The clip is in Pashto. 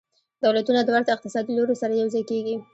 دولتونه د ورته اقتصادي لورو سره یوځای کیږي